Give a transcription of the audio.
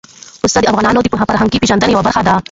پسه د افغانانو د فرهنګي پیژندنې یوه برخه ده.